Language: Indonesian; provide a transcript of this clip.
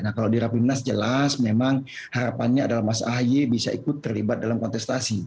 nah kalau di rapimnas jelas memang harapannya adalah mas ahy bisa ikut terlibat dalam kontestasi